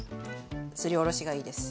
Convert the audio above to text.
すりおろしがいいです。